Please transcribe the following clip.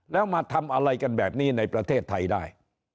แล้วมาทำอะไรกันแบบนี้ในประเทศไทยได้